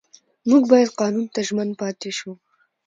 موږ باید قانون ته ژمن پاتې شو